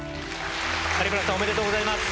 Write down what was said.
有村さんおめでとうございます。